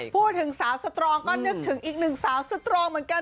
พูดถึงสาวสตรองก็นึกถึงอีกหนึ่งสาวสตรองเหมือนกัน